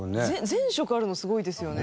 全色あるのすごいですよね。